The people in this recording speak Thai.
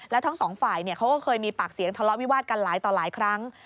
แล้วทั้งสองฝ่ายเขาก็เคยมีปากเสียงทะเลาะวิวาดกันหลายต่อหลายครั้ง